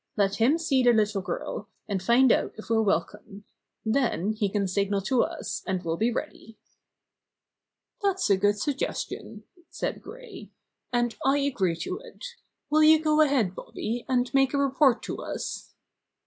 Let him see the little girl, and find out if we're welcome. Then he can signal to us, and we'll be ready." "That's a good suggestion," said Gray, "and I agree to it. Will you go ahead, Bobby, and make a report to us?"